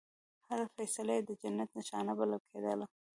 هره فیصله یې د جنت نښانه بلل کېدله.